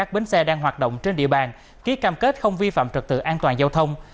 các bến xe đang hoạt động trên địa bàn ký cam kết không vi phạm trật tự an toàn giao thông